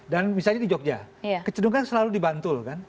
dan misalnya di jogja kecenderungan selalu dibantu kan